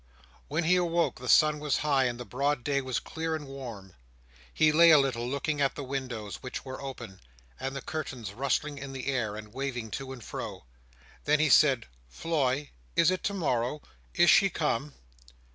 When he awoke, the sun was high, and the broad day was clear and warm. He lay a little, looking at the windows, which were open, and the curtains rustling in the air, and waving to and fro: then he said, "Floy, is it tomorrow? Is she come?"